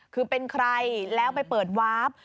คือเป็นใครแล้วไปเปิดวาร์ฟ